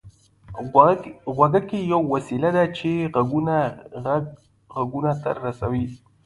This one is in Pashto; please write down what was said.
غوږيکې يوه وسيله ده چې د غږوونکي غږ غوږونو ته رسوي